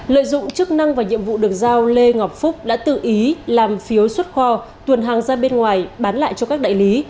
lợi dụng chức năng và nhiệm vụ được giao lê ngọc phúc đã tự ý làm phiếu xuất kho tuần hàng ra bên ngoài bán lại cho các đại lý